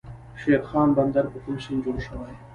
شیرخان بندر په کوم سیند جوړ شوی؟